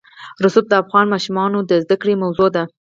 رسوب د افغان ماشومانو د زده کړې موضوع ده.